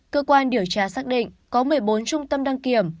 cơ quan điều tra xác định có một mươi bốn trung tâm đăng kiểm